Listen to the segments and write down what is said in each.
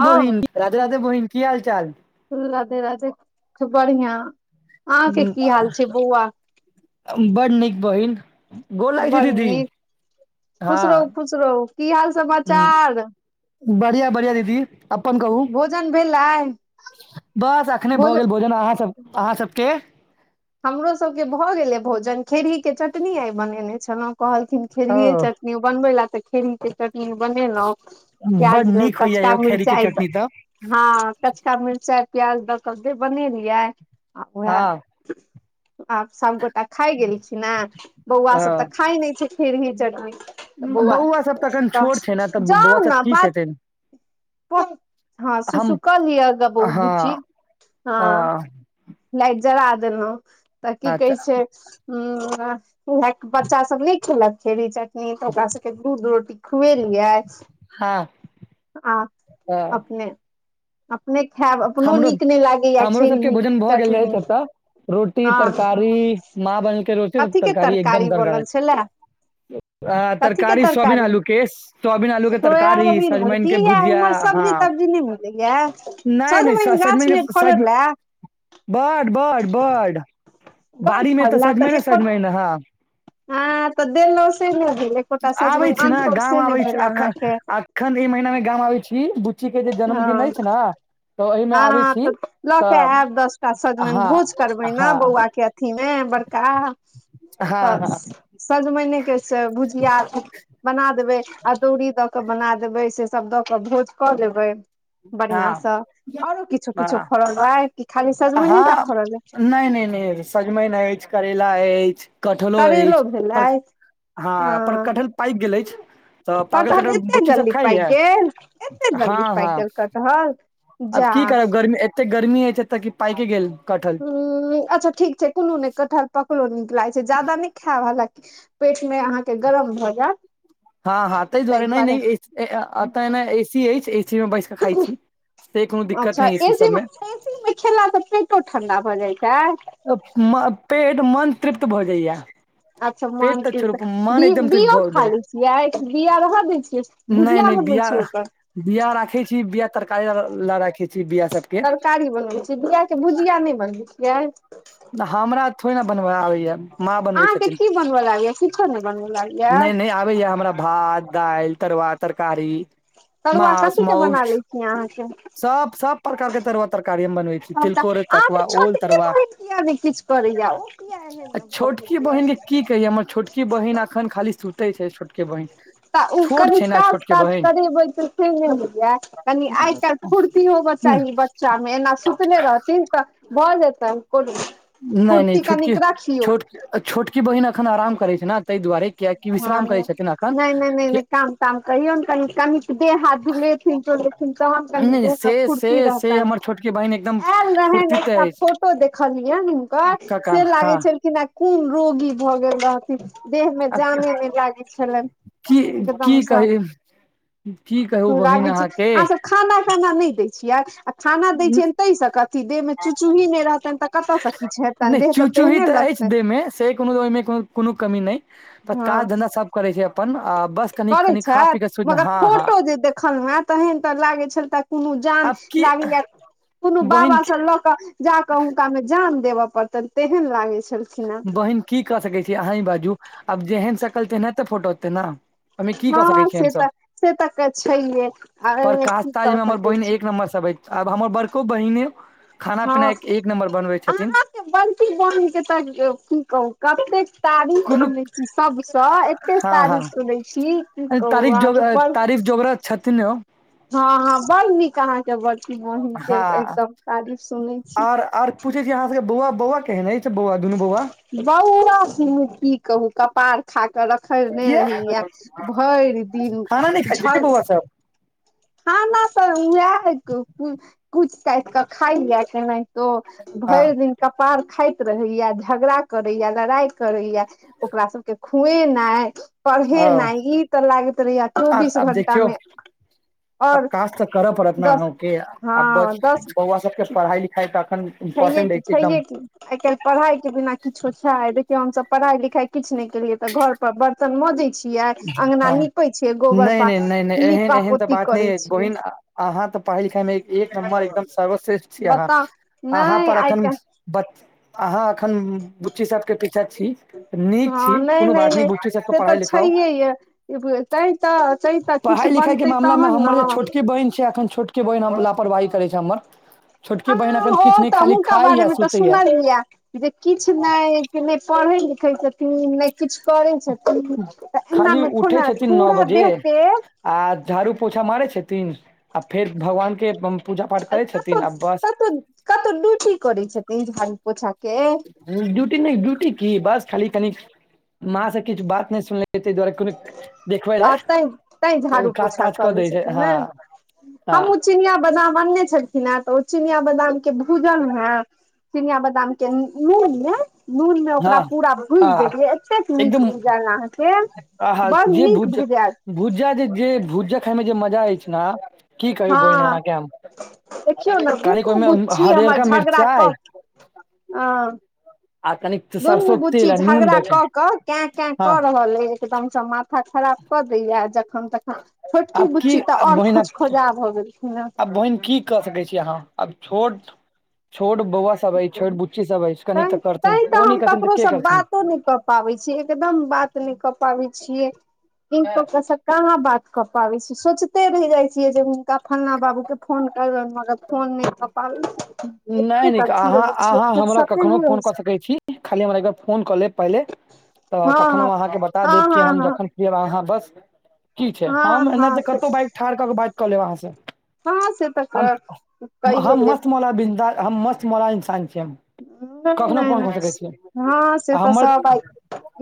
हँ बहिन राधे राधे बहिन की हाल चाल। राधे राधे खूब बढ़िया। आ बड़ नीक बहिन। गोर लागई छी बड़ दीदी, नीक खुश रहू हँ। खुश रहु, की हाल ह समाचार। बढ़िया बढ़िया दीदी। अपन कहू, भोजन भेलै बस अखने भऽ गेल भोजन अहाँ सब अहाँ सबके। हमरोसभके भऽ गेलै भोजन खेरहीके चटनी आइ बनेने छलहुँ कहलखिन ओ खेरहिए चट नी बनबै लै त खेरही चटनी बनेलहु बड प्याज, नीक होइया कचका यौ खेरी के मिर्चाई द चटनी तऽ हॅं, कचका मिर्चाइ, प्याज दऽ कऽ से बनेेलियै आ उएह हँ आब सबगोट टा खाइ गेलखिन हैं बौआ सब तऽ ह खााय नहि छैय खेरही चटनी तऽ बौआ सब एखन तऽ छोट छै ने तऽ बौआ जाउ सब ने की बात खेथिन प हाँ सु सु हम कऽ लियग ब बुच्ची हँ ह हाँ अच्छा लाइट जरा देलहुँ तऽ की कहै छैय उं इएह बच्चा सभ नहि खेलक खेरही चटनी तऽ ओकरा सभके दूध रोटी खुएलियै हँ आ अ, अपने अपने खायब अपनो नीक नहि लागैए खेरही गेलैथ चटनी ओतऽ रोटी हँ तरकारी माँ बनेलकै रोटी, कथी के तरकारी एकदम गरगरे बनल छलए आ कथी के तरकारी सोयाबीन, आलू के सोयाबीन, आलू के तरकारी सजमैन के भुजिया हाँ नै बनैए, सजमैन सजमनि गाछमे के सज फरलए? बड बड बड बड़ बाडी में तऽ फड़ला सजमैने एको सजमैने है हँ तऽ देलहुँ से नहि भेल एकोटा आबै सजमनि छी ना अनलहुँ गाम से नहि आबै छी भेल अखनि अहाँके अख एखन ई महिना मे गाम आबै छी, बुच्ची के जे जन्मदिन अछि ना हाॅं तऽ लऽ के आयब दस टा सजमनि, हँ भोज करबै न हँ बौआ के अ अथी मे बड़का तऽ हँ सजमैने के स भुजिया बना देबै अदौरी दऽ कऽ बना देबै से सभ दऽ कऽ भोज कऽ देबै हँ बढ़ियाॅं स आरो किछो किछो फड़ल ऐ कि खाली सज हाँ नहि नहि नहि सजमनि अछि करैेला अछि कटहलो करैलो अछि, पर भेलै हाँ पर अ कटहल पइकगेल अछि। तऽ पाकल कटहल एते बुच्ची सब जल्दी पाकि खाइये, गेल एते जल्दी हाँ पाकि हाँ। गेल कटहल आब जा की करब गर्मी एतेक गर्मी अइछ एत्त की पाइक गेल कठहर। उ अच्छा ठीक छैय, कुनुने कठहर पाकलो नीक लागै छैय, जादा नइ खैब हलाकी। पेट में अहाँके गरम भऽ जायत। हाँ, हाँ तहि ताहि दुआारे दुआरे नइ-नइ एत्त ने एसी अइछ। एसी में बैस क खाइ छी, से कोनो दिक्कत अच्छा नहि एसी मे सबमें। एसी में खेला सऽ पेटो ठंडा भऽ जाइ छैय। पेट, मन तृप्त भऽ जाइये। अच्छा मन, तृ बी, तृप्त बीओ भऽ खा जाइया लै छियै, कि बिया रह दै छियै। नहि भुजिया नहि बनबे बिया छिय ओकर। बिया राखे छी, बिया तरकारी ल राखे छीय बिया सब। तरकारी बनबै छि, बिआ के भुजिया नहि बनबै छियै। हमरा थोड़े न बनबऽ आबैय, माँ बनबै छथि। की- की बनबल आबैये। नइ-नइ आबैए हमरा भात, दाइल, तरुआ, तरकारी। तरुआ मास कथीक के मौस बना लै छी अहाँके। सब- सब प्रकार के तरुआ, तरकारी हम बनबै छी, सबटा तिलकोरे अहाँ तऽ तरुआ, ओल छोटके तरुआ। बहिन किया ने किछ करैया, ओ किया आ एहन भऽ छोटकी गेलिय। एखन खाली सुते छैय छोट। के बहिन। तऽ ओ कनि काज-ताज करेबै तऽ से नइ होइया। कनि आइ-काल्हि फूर्ती होबऽ चाही बच्चा में, एना सुतले रहत। थिन त भऽ जेतैन को। नइ- नइ छोटकी छोट, छोटकी बहिन अखन आराम करैत छैय ने ताहि दुआरे। कियाकि विश्राम करैय छथिन अखन कि। काम-ताम कहियोन कनि, कनिक। देह हाथ झुलेथिन-डोलेथिन तखन नहि कनि नहि देह में से फुुरती से से रहतनि। हमर छोटकी बहिन एकदम एल रहनि फुर्तीत एकटा अछि फोटो देखलियैनि हुनकर कका से लागैय हँ छलकिन ह। कोन रोगी भऽ गेल रहथिन, देह में। में जाने नै लागय छलैन, की की एकदमसॅ। कही की कहु बहिन अहाँके। खाना-ताना नै दैय छियै। खाना दैछियनि तैय स कथी, देह में चु चुही नै रहतनि तऽ कतऽस किछ हेतनि, नहि देह तऽ चूचूही तेहने तऽ अछि लगतनि। देह मे से कोनो ओहि में कोनो कमी नै, तत्त काज-धन्धा सब करैय छैय अपन बस। कनि करैय कनि खा छथि, पी के सुति मगर हँ हँ फोटो जे देखलहु हें। तहन तऽ लागे छल त कोनो जान आब की लागयै कोनो बहिन बाबा सॅ लऽ कऽ। जा कऽ हुनका में जान देबऽ पड़तनि। तेहन लागै छलखिन हेँ बहिन। की क सकैय छी, अँही बाजु आब जेहन सकल तेहने फोटो एतैय न। ओहि में की क सकैय हँ छी से तऽ हमसब, से तऽ छैहे आ पर एहिमे काज की ताज कर में हमर सकै बहिन छी एक नम्बर सब अय। आब हमर बड़को बहिने खाना-पीना हँ ए एक नम्बर बनबैय छथिन। अहाँके बड़की बहिन के तऽ की कहु कतेक। तारीफ कोनो सुनैय छी सबसे, एते हँ तारीफ हँ सुनैय छी, की कहु अहाके बर। छथिनो। हँ, हँ बड़ नीक अहाँके बड़की बहिनके हँ एकदम तारीफ सुनैय छी। पुछैय छी अहाँ सबके बौआ-बौआ केहन अछि, बौआ दुनु बौआ। बौआ सुनु की कहु कपार। खा कऽ रखने किया रहैया, भरि दिन खाना नहि खाइ छै की झल। बौआ सब खाना तऽ उएह कुइथ-काथि कऽ खाइए। केहैनिहतो हँ भरि दिन। कपार खाइत रहैये, झगड़ा करैये, लड़ाई करैये। ओकरा सबके खुएनाइ। ओ पढ़ेनाइ, इ तऽ लागैत रहैये आब चौबीस आब घंटा देखियौ में। आब काज तऽ करऽ पड़त न दस अहुके, आ हँ बौआ सबके। पढ़ाई -लिखाई त अखन। छैैये इम्पोर्टेंट की, अछि छैैये एकदम की। आइ-काल्हि पढ़ाई के बिना किछो छैय, देखियौ हमसब पढ़ाई -लिखाई किछ नै केलियै तऽ घर पर बर्तन मजैय छी। किया अंगना हँ नीपे छियै, गोबर नहि प नहि नहि नीपा-पोती करैय छियै। अहा तऽ पढ़ाई-लिखाई में एक नम्बर एकदम सर्वश्रेष्ठ छी अहाँ, बताउ अहाँ नहि पर आइ एखन। काल्हि बच अहाँ एखन बुच्ची सबके पीछा छी। नीक छी, कोनो बात नै बुच्ची सबके पढ़ाई-लिखा। छये य तैय तऽ, तैय तऽ किछ पढ़ाइ लिखाइके बनतैय मामलामे तहन हमर जे न। छोटकी बहिन छैय, अखन छोटकी बहिन हमर लापरवाही करेय छैय हमर। छोटकी बहिन अखन किछ ओ नै, तऽ खाली हुनका खाये बारेमे तऽ सुतैया। सुनलियै जे किछ नै, की नै पढ़ैय-लिखैय छथि। नै किछु करै छथिन तऽ एना खाली में उठै थोड़ा छथिन नओ पूरा बजे देह-तेह। आ झाड़ु-पोछा मारैय छथिन, आ फेर भगवान के। पूजा पाठ करै कत्तौ, छथिन आ बस कत्तौ, कत्तौ ड्यूटी करैय छथिन, झाड़ु-पोछा के। डयूटी नै, ड्यूटी की बस खाली कनि। माँ से किछु बात नै सुनले, तैय दुआरे कोनो। देखबै आ लए तैंय, तैंय झाड़ु- काज पोछा ताज कऽ लैय दै छै छथिन हँ नै, हँ हमहु। चिनिया बादाम अनने छलखिन हें, तऽ ओ चिनिया बादाम के भुजलहु ह। चिनिया बादाम के नून में। नून में हँ ओकरा पूरा भुइज हँ देलिए, एतेक निक एकदम भुजाल अहाँक। आहा, जे भुज, भुजा जे, जे भुजा खाय में जे मजा अछि ने। की कहू बहिन हँ अहाँके हम देखियौ ने कनिक दुनू ओहिमे बुची हमर हरियरका झगड़ा मिरचाई क। हाँ। आ कनिक। दुनू सरसो बूची तेल आ नून झगड़ा दऽ के कऽ क कैं-कैं हँ कऽ रहल अइ। एकदम से माथा खराब कऽ दैयऽ जखन-तखन। छोटकी आब बुच्ची की तऽ आओर बहिन आब खोज-खोजा भऽ गेलखिन हेँ। बहिन की। कऽ सकै छी अहाँ, आब छोट-छोट बौआ स। सब की अइछ, कहू छोट बुच्ची सब अइछ, कनिक तैं तऽ करथिन, तैं तऽ ओ नइ हम करथिन तऽ ककरो के सँ करथिन। बातो नहि कऽ पाबै छीये, एकदम बात नइ कऽ पाबै छियै, हिनको कसक। कहाँ बात कऽ पाबै छी सोचते रहि जाय छीयै जे हुनका फल्ला बाबू के फोन। कर में मगर फोन नइ कऽ पाबइ छी। नइ एतेक निका। अथी अहाँ, रहै छियै अहाँ हमरा फुरसते कखनो नहि फोन रहै कऽ छै सकैत छी, खाली हमरा एकबार फोन कऽ लेब पहिले। तऽ तखन हम हँ अहाँके बता हँ देब कि, हम हँ हँ हँ जखन। हम और अहाँ बस की छै, हम हँ एना हँ त से कतहु बाइक ठाढ़ क के बात कऽ लेब अहाँ से। कहाँ से तऽ हम कहिये हम देब मस्त मोाला बिंदास, हम मस्त मोाला इन्सान छिय हम। नहि, कखनो नहि, फोन नहि, कऽ सकैत छी हँ से आ त हमर सभ भाय।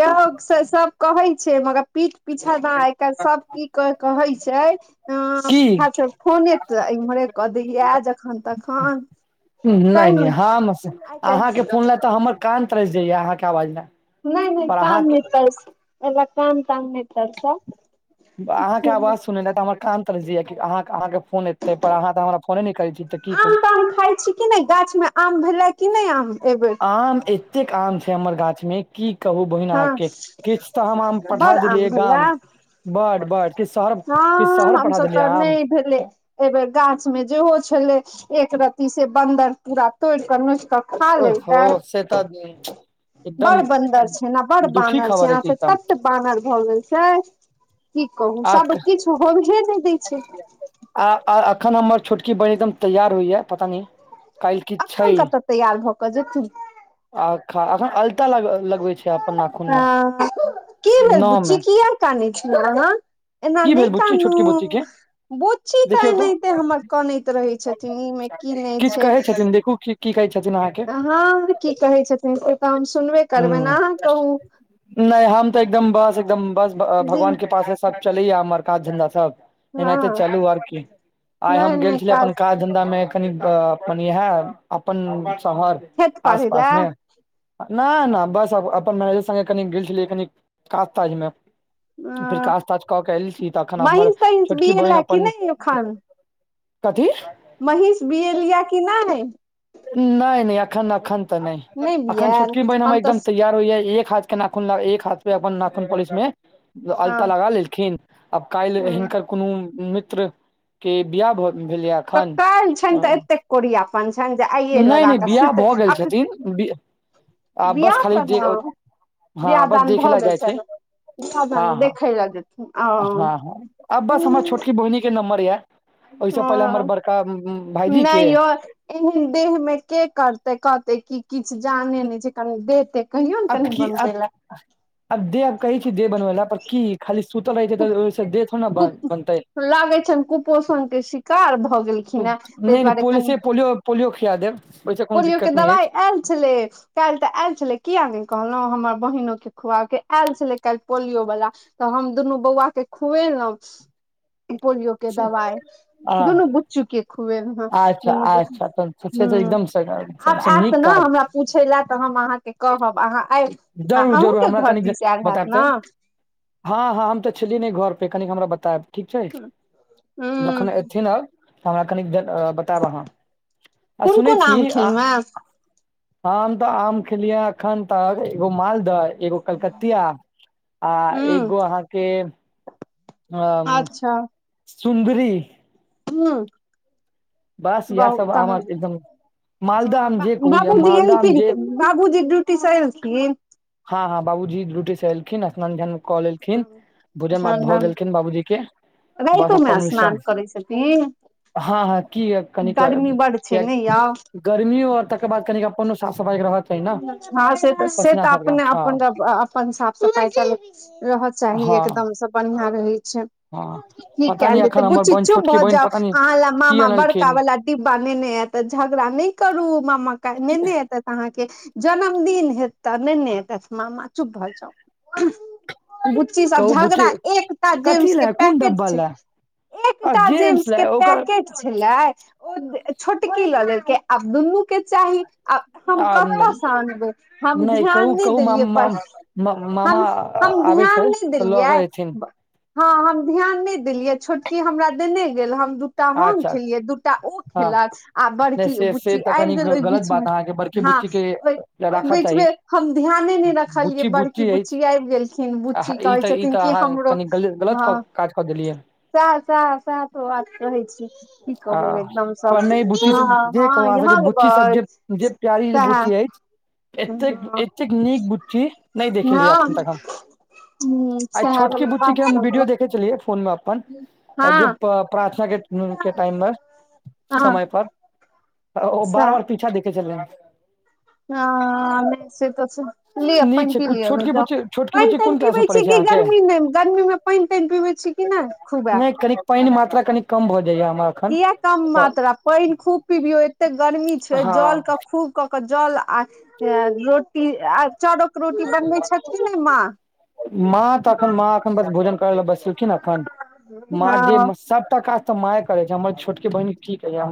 योउ से सब कहै छै, मगर। पीठ पीछा ने आइ कालहि सब की कहे छै। [unintelligible] अ की अचछा फोने त इमहरे कऽ दैय जखन तखन नहि, नहि तैमे हम से आइ अहाँके काल्हि फोन ल तऽ हमर कान तरइस जाइया, अहाँके आवाज ले। नहि, नहि, कान नहि तरसे अइला कान- तान नहि तरसाउ। अहाँके आवाज सुनिलै त हमर। कान तरइस जैये, अहाँ के फोन अबिते पर अहाँ तऽ हमरा फोने नहि करै छी, त की करी। आम खााय छी कि नहि, गाछ मे आम भेलै कि नहि आम एबेर? आम एछ। एतेक आम छै हमर गाछ मे। की कहू बहिन हँ अहाँके, किछु तऽ हम आम पठा बड़ आम देलियै गाम भेलै बड- बड। किछु शहर किछु हँ शहर पठा हमसब देलियै तऽ आम नहि भेले। ए बेेर गाछ में, जेहो छले एक रती से, बन्दर पूरा तोड़ के, नोच क। ओहो! से त बड़ बदर छै ने, बड़ दुखी बानर खबर छै, अछि से एकदम तत बानर भऽ गेल छै की कहू, आ सब किछ होबहे नहि दै छै। आ अखन हमर छोटकी बहिन एकदम तैयार होइया पता नै। अखन कतऽ तैयार भऽ कऽ जेथिन? आखन अखन अलता लगबे छै आब। हं की भेल नह बुच्ची, मे की यै काने छी अहाँ! एना की नहि भेल बुच्ची कानू, छोटकी बुच्ची के बूची तऽ एनाहिते हमर कनैत रहे। छथिन ईमे की नहि किछु छै। कहै छथिन देखू की की कहइ छथिन आहाँके। हँ, की कहै छथिन ओ तऽ हम सुनबे करबनि, हूँ अहाँ कहू। नहि हम तऽ एकदम बस, एकदम बस जी भगवान कृपा से चलैया हमर काज धन्धा सब, एनाहिते हँ चलू आर की, आइ नहि हम गेल नहि छलै अपन काज धंधा मे कनि अपन इ अपन शहर खेत आस पाड़ै -पास लए मे। न नहि बस अपन मैनेजर संगे कनी गेल छलियै कनि काज- ताजमे। फेर अ काज- ताज कऽ के एयल छी, तखन हमर महींष तहींष छोटकी बहिन बिएला कि अपन। नहि कथी। महीष बीयेलिया की नहि? नहि, नहि, अखन अखन तऽ नहि, अखन बियाल छोटकी बहिन हमर हम एकदम तऽ तैयार होइया एक हाथ के नाखून ल एक हाथ पे अपन नाखून पोलिस मे हँ अलता लगा लेलखिन, आब काल्हि ह हिनकर कोनो मित्र के बियाह भेलैया। तऽ एखन काइल छैन तऽ एतेक कोढ़िया पन छनि, जे आइये नहि नहि लगााकऽ बियाह सुति भऽ गेल अखन छथिन आ बस बियाह खाली त जे हँ, बियाह हँ बस -दान देखे भऽ लए गेल जाइ छै छैन? बियाह- हँ दान हँ देखै लै जेथिन हँ हँ ओ [unintelligible] ओहिसे पहिले ह हमर बड़का भाईजी नहि के यौ, एहन देह में के करतै कहतै की किछु जानैत नहि छै। कनि देह-तेह कहिऔ ने आब कनि की आब बनबय लए। आब देह कहै छी देह बनबै लए, पर की खाली सुतल रहै छै तहन ओहि सऽ द देह थोड़ ने बनतै। लागैत छनि कुपोषणके शिकार भ नहि नहि पोलिसे पोलियो पोलियो खिया देब। ओहिसँ कोनो पोलियोके दिक्कत नहि दबाइ आयल छलै। काल्हि तऽ आयल छलै, किएक नहि कहलहुँ? हमर बहिनोकेँ खुआ के आयल छलै काल्हि पोलियो वला। तऽ हम दुनू बौआकेँ खुएलहुँ पोलियो के अछि दवाइ। आ दुनू बुच्चूकेँ खुएलहुँ ह अच्छा दुनू बुच्ची अच्छा तऽ से तऽ ह्म एकदम आब सबसँ आएत नीक न काज हमरा पूछय लए तऽ हम अहाँकेँ कहब। अहाँ आबि आ जरूर जरूर अहूँके हमरा घर कनिक दिस आयल हएत बतायब तऽ न? हँ हँ, हम तऽ छलियै नहि घर पे कनी हमरा बतायब, ठीक छै? जखन ह एथिन आब। तऽ हमरा कनि आँ बतायब अहाँ। आ कोन सुनै कोन छी आम आ खेलहुँ आम तऽ आम खेलियै अखन तक एगो मालदह एगो कलकतिया आ हेँ ह एगो अहाँके अ अच्छा सुन्दरी। ह्म। बस इएह सब आम आब एकदम, मालदह आम जे कहू यए बाबूजी मालदमे आम जे एलखिन बाबूजी ड्यूटी सँ एलखिन? हँ हँ, बाबूजी ड्यूटी सँ एल- खिन स्नान-ध्यान कऽ लेलखिन, भोजन-भात हन भऽ गेलखिन बाबूजीके। रातिओमे स्नान करैत छथिन? हँ हँ किएक कनिके गर्मी बड छै किएक ने यौ गर्मी और तकर बाद कनिक अपनो साफ-सफाईके रहल। बच्चा हँ से तऽ से तऽ आब अपने हँ अपन अ अपन साफ सफाइके रहट चाही हँ एकदमसँ बढ़िआँ रहैत छै। हँ की पता कएल नहि एखन जेतै। हमर बुच्ची बहिन चुप छोटकी भऽ बहिन जाउ, पता नहि अहाँ लए की मामा अनलखिन बड़कावला डिब्बा नेने एतथि। झगड़ा नहि करू, मामा काल्हि नेने एतथि। अहाँके जन्मदिन हएत तऽ नेने एतैथ मामा, चुप भऽ जाउ। बुच्ची सब कहू बुच्ची झगड़ा, एकटा कथी जेम्स के लए कोन पैकेट डब्बा छै लए आ एकटा जेम्स के लए ओकर पैकेट छलै ओ ब् छोटकी लऽ लेलकै, आब दुनू के चाही, आब हम आ कतयसँ आनबै? हम नहि ध्यान कहू नहि कहू माम देलियै, बस मामा हम हम आबै ध्यान छै नहि तऽ लऽ देलियै, कऽ एथिन ब्- हँ, हम ध्यान नहि देलियै, छोटकी हमरा देने गेल हम एक टा हम अच्छा खेलियै, दू टा ओ हँ खेलक आ नहि बड़की से से बुच्ची तऽ आबि कनि गेल ओहि गलत बीचमे। बात अहाँके बड़की हँ, बुच्ची के ओ ओहि राखऽ बीचमे चाही हम ध्याने नहि रखलियै, बड़की बुच्ची आबि गेल खिन बुच्ची अछि ई कहै तऽ ई छथिन तऽ कि अहाँ हमरो कनि गलत हँ काज कऽ देलियै सएह सएह सएह तऽ बात कहैत छी। की आ कहू एकदमसँ, पर नहि बुच्ची हँ हँ यहाँ [unintelligible] ओ जे प्यारी जे सएह बुच्ची अछि एतेक हँ एतेक नीक बुच्ची नहि देखलियैए हँ एखन तक हम। आइ सएह छोटकी बला बात बुच्चीके हम वीडियो सब देखैत छलियै फोन मे अपन। आ जे हँ प प्रार्थनाके उम्म के टाइम मे हँ समयपर। तऽ ओ ओ सा बार बार पीछा देखैत छलए हन। हँ, नहि से तऽ छै। लिअ नीक पानि छै पी कुछ लिअ गे छोटकी जाउ। बुच्ची छोटकी पानि बुच्ची तानि कोन क्लास पीबै मे पढ़ै छी छै कि अहाँके गर्मीमे, गर्मी मे पानि तानि पीबे छी कि नहि खुबे नहि कनिक पानि के मात्रा कनि कम भ जाइये हमरा एखन किये कम मात्रा, पानि खूब पिबियौ एते गर्मी छै जल हँ के खूब क क जल आ रोटी आ चाउरक रोटी बनबै छथि कि नै माँ माँ तऽ एखन माँ बस भोजन करै ले बैसलखिन अखन, मां जेे हँ सबटा काज त माय करै छै, हमर छोटकी बहिन के कि कहियै